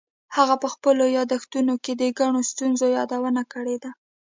هغه په خپلو یادښتونو کې د ګڼو ستونزو یادونه کړې ده.